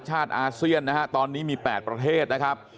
ชาติอาเซียนตอนนี้มี๘ประเทศนะครับ